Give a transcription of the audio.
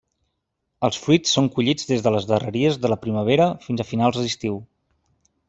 Els fruits són collits des de les darreries de la primavera fins a finals d'estiu.